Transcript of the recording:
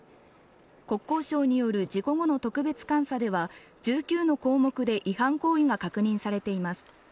国交省による事故後の特別監査では１９の項目で違反行為が確認されています